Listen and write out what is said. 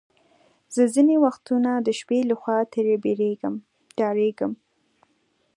زه ځینې وختونه د شپې له خوا ترې بیریږم، ډارېږم.